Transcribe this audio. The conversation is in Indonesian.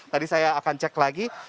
tadi saya akan cek lagi